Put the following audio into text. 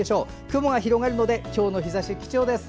雲が広がるので今日の日ざし、貴重です。